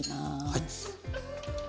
はい。